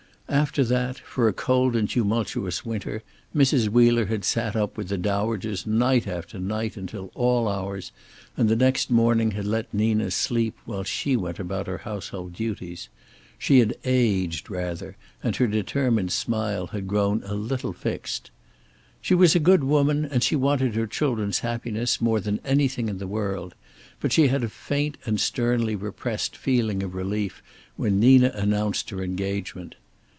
After that, for a cold and tumultuous winter Mrs. Wheeler had sat up with the dowagers night after night until all hours, and the next morning had let Nina sleep, while she went about her household duties. She had aged, rather, and her determined smile had grown a little fixed. She was a good woman, and she wanted her children's happiness more than anything in the world, but she had a faint and sternly repressed feeling of relief when Nina announced her engagement.